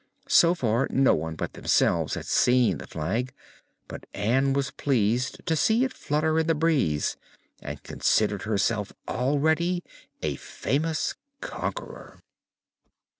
So far, no one but themselves had seen the flag, but Ann was pleased to see it flutter in the breeze and considered herself already a famous conqueror.